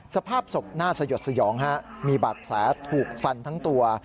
สภาพศพน่าสยดสยองฮะมีบาดแผลถูกฟันทั้งตัว